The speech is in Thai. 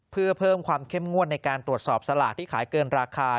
เพื่อเพิ่มความเข้มงวดในการตรวจสอบสลากที่ขายเกินราคา